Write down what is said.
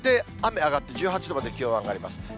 雨上がって１８度まで気温が上がります。